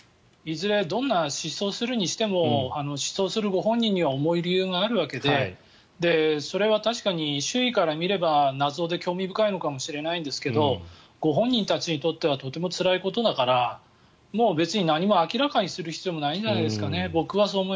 いずれ、どんな失踪するにしても失踪するご本人には重い理由があるわけでそれは確かに周囲から見れば謎で興味深いのかもしれないけどご本人たちにとってはとてもつらいことだから別に何も明らかにする必要はないんじゃないですかね。